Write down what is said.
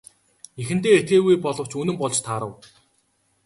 Эхэндээ итгээгүй боловч үнэн болж таарав.